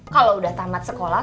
kalau udah tamat sekolah